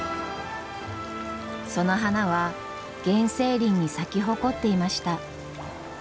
その花は原生林に咲き誇っていました。